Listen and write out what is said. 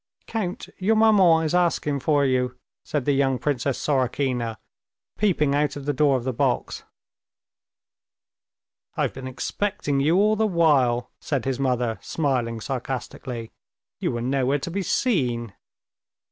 "Count, your maman is asking for you," said the young Princess Sorokina, peeping out of the door of the box. "I've been expecting you all the while," said his mother, smiling sarcastically. "You were nowhere to be seen."